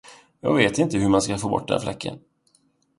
Jag vet inte hur man ska få bort den fläcken.